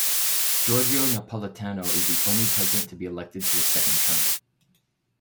Giorgio Napolitano is the only president to be elected to a second term.